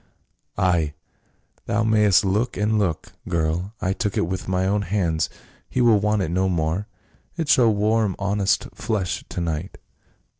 Ay ! thou mayst look and look, girl ; I took it with my own hands, he will want it no more ; it shall warm honest flesh to night.